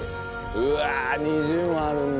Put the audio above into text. うわ２０もあるんだ。